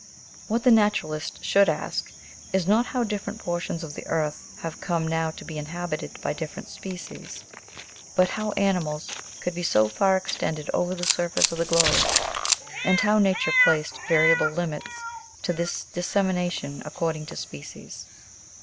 What the naturalist should ask, is, not how different portions of the earth have come now to be inhabited by different species, but how animals could be so far extended over the surface of the globe, and how nature placed variable limits to this dissemination according to species.